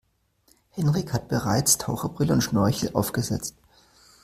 Henrik hat bereits Taucherbrille und Schnorchel aufgesetzt.